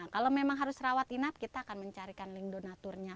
kalau memang harus rawat inap kita akan mencarikan link donaturnya